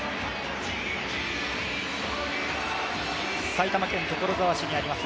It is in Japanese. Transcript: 埼玉県所沢市にあります